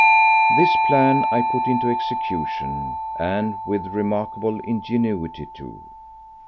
This plan I put into execution, and with remarkable ingenuity too.